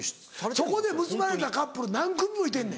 そこで結ばれたカップル何組もいてんねん。